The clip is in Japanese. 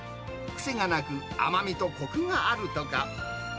癖がなく、甘みとこくがあるとか。